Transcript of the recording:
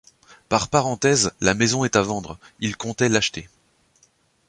Par parenthèse, la maison est à vendre, il comptait l’acheter.